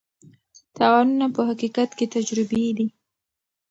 تاوانونه په حقیقت کې تجربې دي.